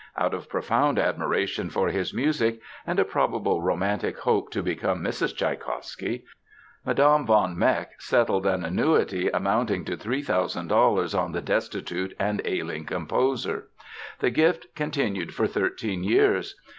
Out of profound admiration for his music and a probable romantic hope to become Mrs. Tschaikowsky, Mme. von Meck settled an annuity amounting to $3,000 on the destitute and ailing composer. The gift continued for thirteen years.